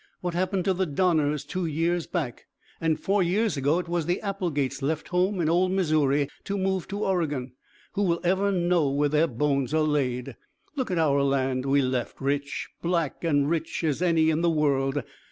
What happened to the Donners two years back? And four years ago it was the Applegates left home in old Missouri to move to Oregon. Who will ever know where their bones are laid? Look at our land we left rich black and rich as any in the world.